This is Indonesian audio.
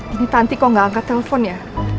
ini tanti kok gak angkat telepon ya